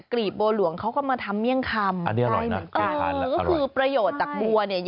กรีบบัวหลวงเขาก็มาทำเมี่ยงคำอื้มมอร่อยค่ะ